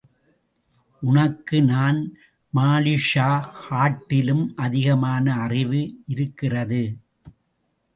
உனக்கு நான்கு மாலிக்ஷா காட்டிலும் அதிகமான அறிவு இருக்கிறது.